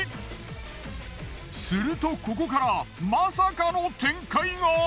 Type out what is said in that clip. するとここからまさかの展開が。